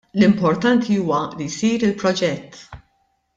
L-importanti huwa li jsir il-proġett.